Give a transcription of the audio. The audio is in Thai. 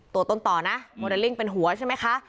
ตัวต้นต่อนะโมเดลลิ่งเป็นหัวใช่ไหมคะ